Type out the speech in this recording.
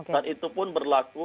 dan itu pun berlaku